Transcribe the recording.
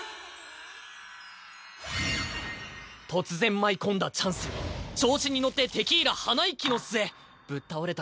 突然舞い込んだチャンスに調子に乗ってテキーラ鼻一気の末ぶっ倒れた